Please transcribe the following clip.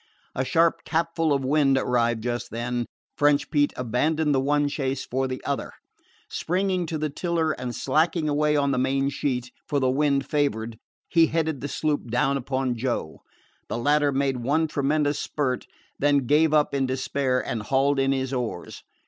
A sharp capful of wind arriving just then, French Pete abandoned the one chase for the other. Springing to the tiller and slacking away on the main sheet, for the wind favored, he headed the sloop down upon Joe. The latter made one tremendous spurt, then gave up in despair and hauled in his oars.